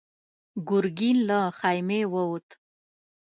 ګرګين له خيمې ووت.